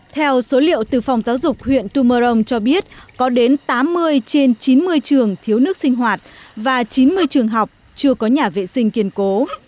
theo số liệu từ phòng giáo dục huyện tumorong cho biết có đến tám mươi trên chín mươi trường thiếu nước sinh hoạt và chín mươi trường học chưa có nhà vệ sinh kiên cố